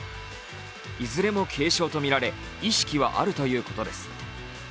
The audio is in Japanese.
いずれも軽傷とみられ意識はあるということです。